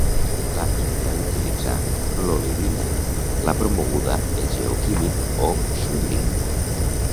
La idea d'utilitzar l'olivina l'ha promoguda el geoquímic O. Schuiling.